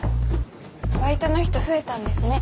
バイトの人増えたんですね。